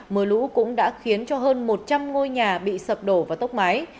mưa lũ cũng đã khiến cho hơn một trăm linh ngôi nhà bị sập đổ và tốc mái